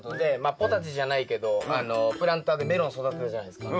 ポタジェじゃないけどプランターでメロン育てたじゃないすか。